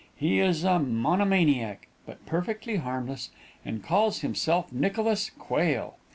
He is a monomaniac, but perfectly harmless, and calls himself Nicholas Quail.